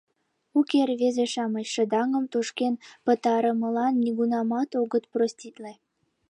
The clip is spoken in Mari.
Уке, рвезе-шамыч шыдаҥым тошкен пытарымылан нигунамат огыт проститле.